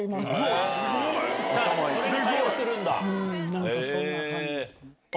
何かそんな感じですね。